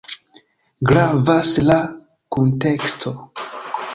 Gravas la kunteksto.